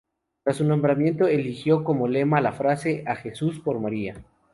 Tras su nombramiento eligió como lema, la frase: "A Jesús por María".